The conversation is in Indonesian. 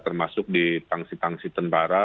termasuk di tangsi tangsi tentara